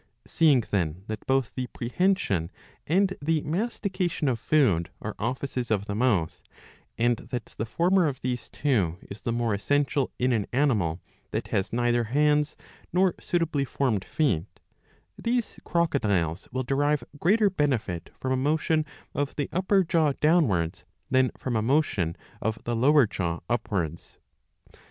Seeing, then, that both the prehension and the mastication of food are offices of the mouth, and that the former of these two is the more essential in an animal that has neither hands nor suitably formed feet, these crocodiles will derive greater benefit from a motion of the upper jaw downwards than from a motion of the lower jaw upwards.